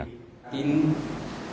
dengan kejadian yang terjadi di